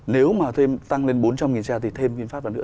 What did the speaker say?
nếu mà thêm tăng lên bốn trăm linh xe thì thêm vinfast vào nước